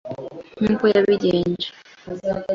Nkuko yabigenje i Phlägra muri iyo ntambara